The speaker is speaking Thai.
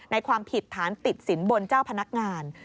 ความผิดฐานติดสินบนเจ้าพนักงาน